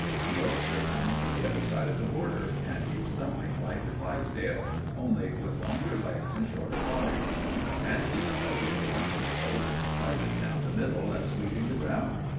The Yorkshire comes from the other side of the border, and he's something like the Clydesdale, only with longer legs and shorter body. He's a fancy dog with a wonderful coat, parted down the middle and sweeping the ground.